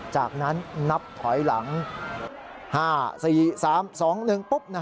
จากนั้นนับถอยหลัง๕๔๓๒๑ปุ๊บ